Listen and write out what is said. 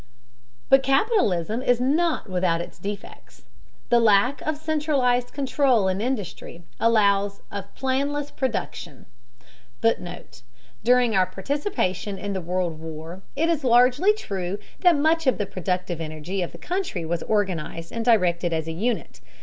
But capitalism is not without its defects. The lack of centralized control in industry allows of planless production. [Footnote: During our participation in the World War, it is largely true that much of the productive energy of the country was organized and directed as a unit.